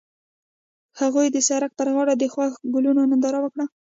هغوی د سړک پر غاړه د خوښ ګلونه ننداره وکړه.